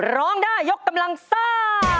ร้องได้ยกกำลังซ่า